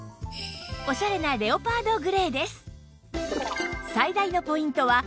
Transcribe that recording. おしゃれなレオパードグレーです